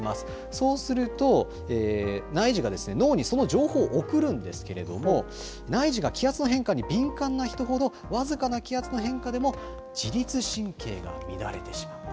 そうすると、内耳が脳にその情報を送るんですけれども、内耳が気圧の変化に敏感な人ほど、僅かな気圧の変化でも自律神経が乱れてしまう。